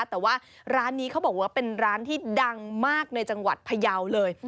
แต่ว่าร้านนี้เขาบอกว่าเป็นร้านที่ดังมากในจังหวัดพยาวเลย